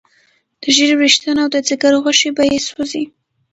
د ږیرې ویښتان او د ځیګر غوښې به یې سوځي.